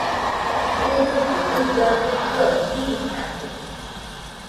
ɨgɨgɨ dɨga llɨkɨaɨ jitate